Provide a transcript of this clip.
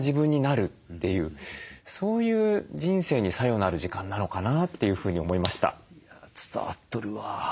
そういう人生に作用のある時間なのかなというふうに思いました。